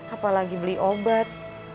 apalagi beli obat